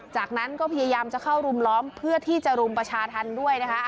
จากนั้นก็พยายามจะเข้ารุมล้อมเพื่อที่จะรุมประชาธรรมด้วยนะคะ